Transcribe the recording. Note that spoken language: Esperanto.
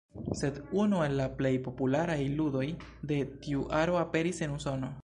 Sed unu el la plej popularaj ludoj de tiu aro aperis en Usono.